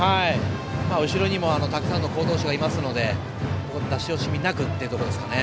後ろにもたくさんの好投手がいますので出し惜しみなくというところですかね。